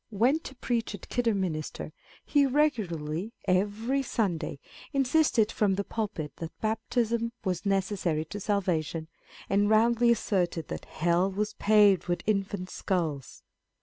went to preach at Kidder minster, he regularly every Sunday insisted from the pulpit that baptism was necessary to salvation, and roundly asserted that " Hell was paved > with infants', skulls."